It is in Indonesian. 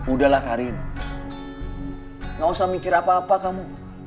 udah lah karin gak usah mikir apa apa kamu